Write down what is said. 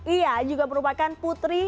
ia juga merupakan putri